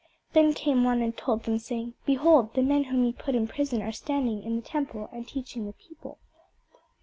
Then came one and told them, saying, Behold, the men whom ye put in prison are standing in the temple, and teaching the people.